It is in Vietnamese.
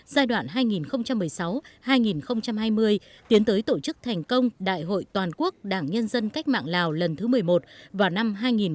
giai đoạn hai nghìn một mươi sáu hai nghìn hai mươi tiến tới tổ chức thành công đại hội toàn quốc đảng nhân dân cách mạng lào lần thứ một mươi một vào năm hai nghìn hai mươi